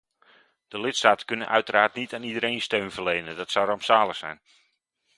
De lidstaten kunnen uiteraard niet aan iedereen steun verlenen, dat zou rampzalig zijn.